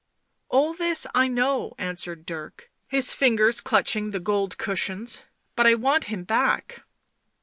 " All this I know," answered Dirk, his fingers clutching the gold cushions. " But I want him back."